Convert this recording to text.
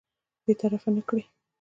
برطرف نه کړي.